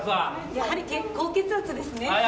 やはり高血圧ですね。